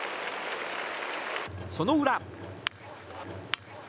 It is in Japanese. その裏。